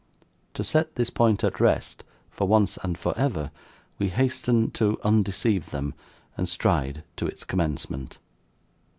To set this point at rest, for once and for ever, we hasten to undeceive them, and stride to its commencement.